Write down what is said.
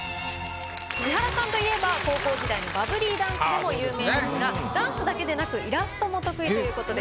伊原さんといえば高校時代のバブリーダンスでも有名ですがダンスだけでなくイラストも得意ということです。